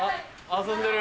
遊んでる。